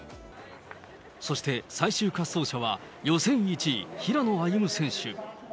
そして最終滑走者は、予選１位、平野歩夢選手。